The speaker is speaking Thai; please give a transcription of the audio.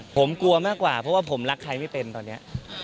ผมกลัวมากกว่าเพราะว่าผมรักใครไม่เป็นตอนนี้